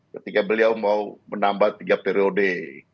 ketika beliau mau menambah tiga periode